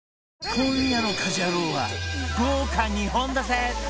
今夜の『家事ヤロウ！！！』は豪華２本立て！